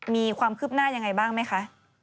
มีความคืบหน้ายังไงบ้างไหมคะ